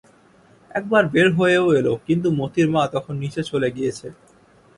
একবার বের হয়েও এল কিন্তু মোতির মা তখন নীচে চলে গিয়েছে।